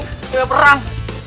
gak ada perang